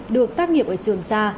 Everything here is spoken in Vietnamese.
được tác nghiệp ở trường sa